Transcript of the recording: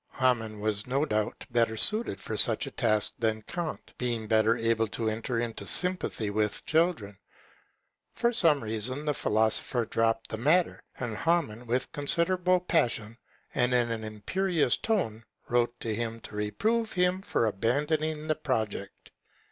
Hamann was, no doubt, better fitted for such a task than Kant, being better able to enter into sympathy with children. For some reason the philosopher dropped the matter, and Hamann, with considerable passion, and in an imperious tone, wrote to him, to reprove him for abandoning the project.